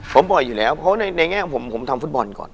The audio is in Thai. ผมปล่อยอยู่แล้วเพราะว่าในแง่ว่าผมทำฟุตบอลก่อน